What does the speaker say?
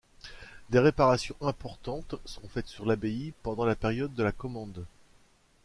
Des réparations importantes sont faites sur l'abbaye pendant la période de la commende.